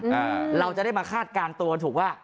อืมเราจะได้มาคาดการตัวถูกว่า